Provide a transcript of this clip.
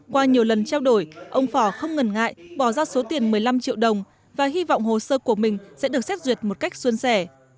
qua nhiều lần trao đổi ông phỏ không ngần ngại bỏ ra số tiền một mươi năm triệu đồng và hy vọng hồ sơ của mình sẽ được xét duyệt một cách xuân sẻ